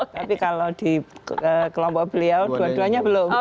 tapi kalau di kelompok beliau dua duanya belum